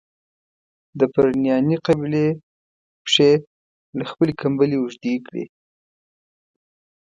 د پرنیاني قبیلې پښې له خپلي کمبلي اوږدې کړي.